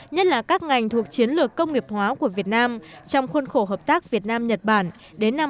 nhất là các ngành thuộc chiến lược công nghiệp hóa của việt nam trong khuôn khổ hợp tác việt nam nhật bản đến năm hai nghìn hai mươi hai nghìn ba mươi